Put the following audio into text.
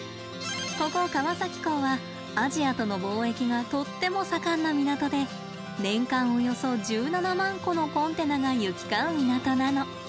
ここ川崎港はアジアとの貿易がとっても盛んな港で年間およそ１７万個のコンテナが行き交う港なの。